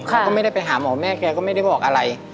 เขาก็ไม่ได้ไปหาหมอแม่แกก็ไม่ได้บอกอะไร